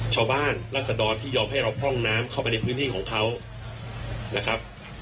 รัศดรที่ยอมให้เราพร่องน้ำเข้าไปในพื้นที่ของเขานะครับ